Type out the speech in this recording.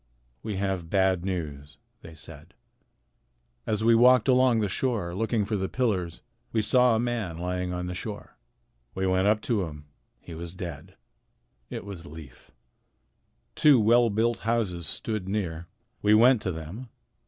"We have bad news," they said. "As we walked along the shore looking for the pillars we saw a man lying on the shore. We went up to him. He was dead. It was Leif. Two well built houses stood near. We went to them.